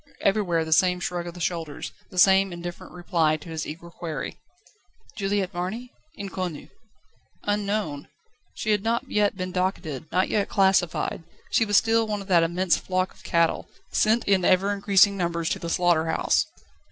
Everywhere the same shrug of the shoulders, the same indifferent reply to his eager query: "Juliette Marny? Inconnue." Unknown! She had not yet been docketed, not yet classified; she was still one of that immense flock of cattle, sent in ever increasing numbers to the slaughter house.